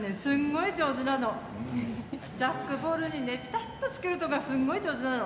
ジャックボールにピタッとつけるとかすごい上手なの。